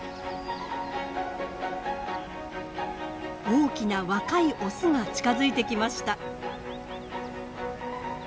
大きな若いオスが近づいてきました。